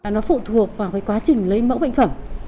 nó phụ thuộc vào quá trình lấy mẫu bệnh phẩm